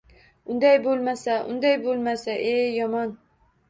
Unday bo‘lmasa... Unday bo‘lmasa, eee... yomon.